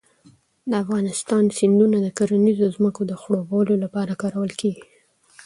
د افغانستان سیندونه د کرنیزو ځمکو د خړوبولو لپاره کارول کېږي.